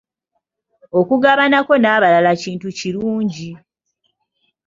Okugabanako n'abalala kintu kirungi.